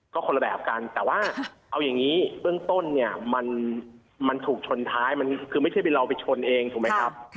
ก็คนละแบบกันแต่ว่าเอาอย่างนี้เบื้องต้นเนี่ยมันถูกชนท้ายมันคือไม่ใช่เป็นเราไปชนเองถูกไหมครับ